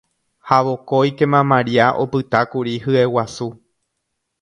ha vokóikema Maria opytákuri hyeguasu